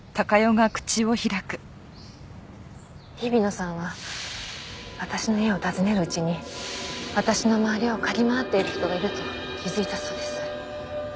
日比野さんは私の家を訪ねるうちに私の周りを嗅ぎ回っている人がいると気づいたそうです。